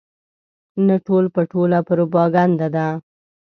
نه ټول په ټوله پروپاګنډه ده.